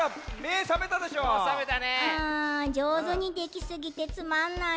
うんじょうずにできすぎてつまんない。